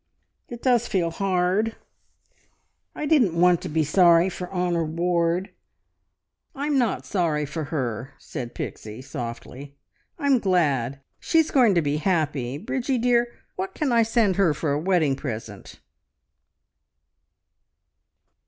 It does feel hard! I didn't want to be sorry for Honor Ward..." "I'm not sorry for her," said Pixie softly, "I'm glad. She's going to be happy. ... Bridgie, dear, what can I send her, for a wedding present?"